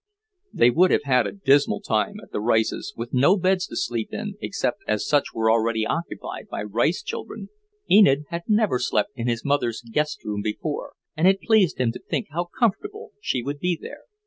They would have had a dismal time at the Rices', with no beds to sleep in except such as were already occupied by Rice children. Enid had never slept in his mother's guest room before, and it pleased him to think how comfortable she would be there.